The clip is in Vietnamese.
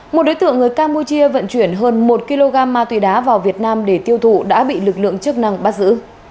một đối tượng người campuchia vận chuyển hơn một kg ma túy đá vào việt nam để tiêu thụ đã bị lực lượng chức năng bắt giữ